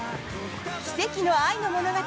奇跡の愛の物語